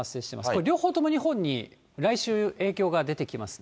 これ、両方とも日本に、来週、影響が出てきます。